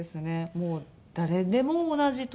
もう誰でも同じというか。